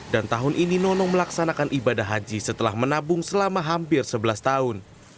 dan tahun ini nono melaksanakan ibadah haji setelah menabung selama hampir sebelas tahun